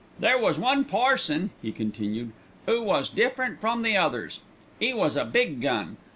"There was one parson," he continued, "'oo was different from the others. 'E was a big gun.